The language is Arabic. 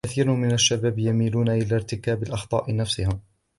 كثير من الشباب يميلون إلى ارتكاب الأخطاء نفسها.